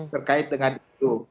terkait dengan itu